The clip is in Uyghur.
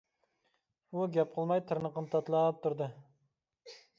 ئۇ گەپ قىلماي تىرنىقىنى تاتىلاپ تۇردى.